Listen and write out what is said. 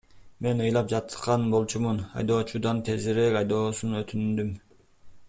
Мен ыйлап аткан болчумун, айдоочудан тезирээк айдоосун өтүндүм.